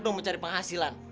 lo juga berhak dari penghasilan